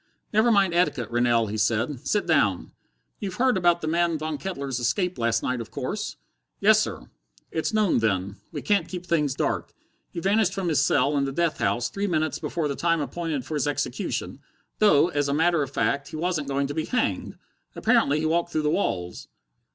"Never mind etiquette, Rennell," he said. "Sit down. You've heard about the man Von Kettler's escape last night, of course?" "Yes, sir." "It's known, then. We can't keep things dark. He vanished from his cell in the death house, three minutes before the time appointed for his execution, though, as a matter of fact, he wasn't going to be hanged. Apparently he walked through the walls.